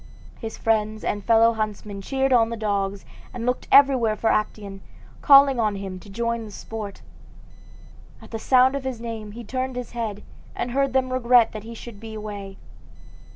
His friends and fellow huntsmen cheered on the dogs, and looked everywhere for Actaeon, calling on him to join the sport. At the sound of his name he turned his head, and heard them regret that he should be away.